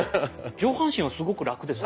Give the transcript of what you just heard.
上半身はすごくラクですね。